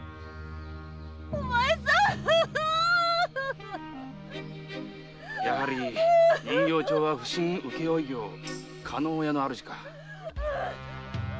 お前さーん‼やはり人形町は普請請負業加納屋の主か。